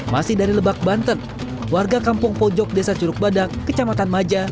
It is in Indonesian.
masih dari lebak banten warga kampung pojok desa curug badak kecamatan maja